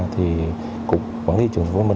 thì cục quản lý thị trường của mình